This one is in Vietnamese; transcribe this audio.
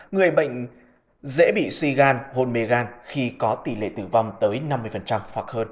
người bệnh dễ bị suy gan hôn mê gan khi có tỷ lệ tử vong tới năm mươi hoặc hơn